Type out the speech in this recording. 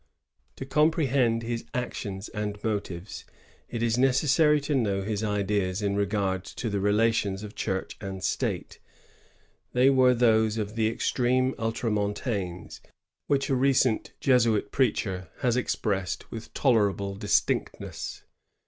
To comprehend his actions and motives, it is neces sary to know his ideas in regard to the relations of Church and State. They were those of the extreme ultramontanes, which a recent Jesuit preacher has expressed with tolerable distinctness.